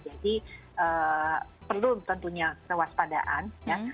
jadi perlu tentunya sewaspadaan